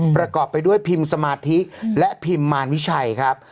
ประกอบไปด้วยพิมพ์สมาธิและพิมมารวิชัยครับ